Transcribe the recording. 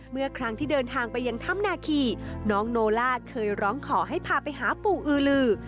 เมื่อครั้งที่เดินทางไปยังถ้ำนาคีน้องโนล่าเคยร้องขอให้พาไปหาปู่อือลือ